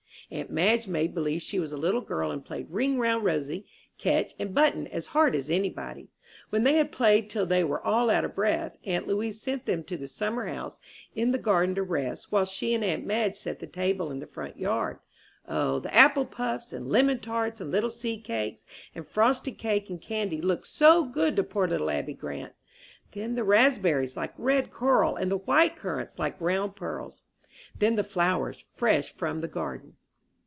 Aunt Madge made believe she was a little girl, and played "Ring Round Rosy," "Catch," and "Button," as hard as any body. When they had played till they were all out of breath, aunt Louise sent them to the summer house in the garden to rest, while she and aunt Madge set the table in the front yard. O, the apple puffs, and lemon tarts, and little seed cakes, and frosted cake, and candy, looked so good to poor little Abby Grant! Then the raspberries, like red coral, and the white currants, like round pearls! Then the flowers, fresh from the garden!